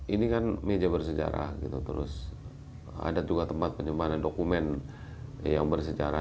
ini kan meja bersejarah gitu terus ada juga tempat penyimpanan dokumen yang bersejarah